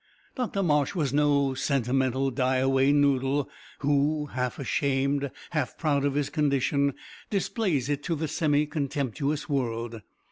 Dr Marsh was no sentimental die away noodle who, half ashamed, half proud of his condition, displays it to the semi contemptuous world.